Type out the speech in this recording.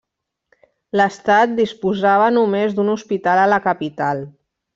L'estat disposava només d'un hospital a la capital.